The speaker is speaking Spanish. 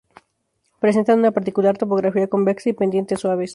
Presentan una particular topografía convexa y pendientes suaves.